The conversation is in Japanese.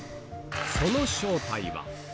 その正体は？